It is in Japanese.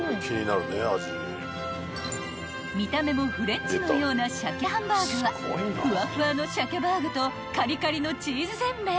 ［見た目もフレンチのような鮭ハンバーグはふわふわの鮭バーグとカリカリのチーズせんべい